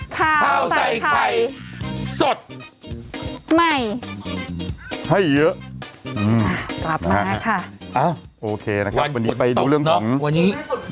กลับมานะคะอ่ะโอเคนะครับวันนี้ไปดูเรื่องของวันนี้